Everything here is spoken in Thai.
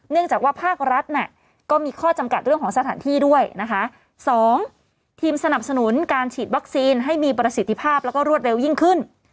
จากว่าภาครัฐเนี่ยก็มีข้อจำกัดเรื่องของสถานที่ด้วยนะคะสองทีมสนับสนุนการฉีดวัคซีนให้มีประสิทธิภาพแล้วก็รวดเร็วยิ่งขึ้น